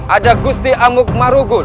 ada gusti amug marugul